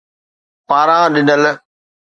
پاران ڏنل